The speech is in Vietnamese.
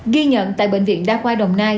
ghi nhận tại bệnh viện đa qua đồng nai